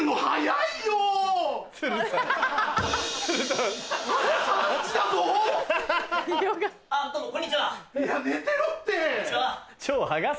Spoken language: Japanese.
いや寝てろって！